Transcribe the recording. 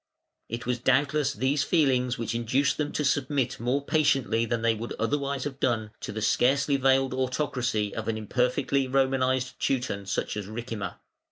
It was doubtless these feelings which induced them to submit more patiently than they would otherwise have done to the scarcely veiled autocracy of an imperfectly Romanised Teuton such as Ricimer.